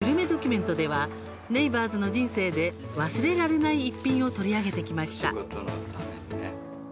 というグルメドキュメントではネイバーズの人生で忘れられない一品を取り上げてきました。